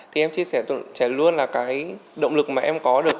thì em chia sẻ trẻ luôn là cái động lực mà em có được